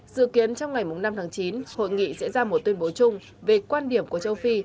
dự kiến trong ngày năm tháng chín hội nghị sẽ ra một tuyên bố chung về quan điểm của châu phi